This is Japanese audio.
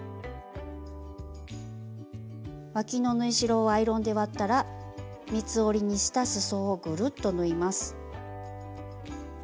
わきの縫い代をアイロンで割ったら三つ折りにしたすそをぐるっと縫います。